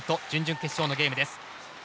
準々決勝のゲームです。